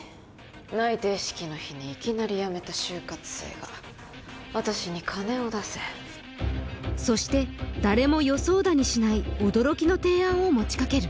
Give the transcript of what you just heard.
内定式の日にいきなり辞めた就活生が私に金を出せそして誰も予想だにしない驚きの提案を持ちかける